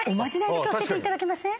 だけ教えていただけません？